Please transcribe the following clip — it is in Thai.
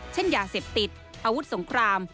เช่นยาเสพติดอาวุธสงคราม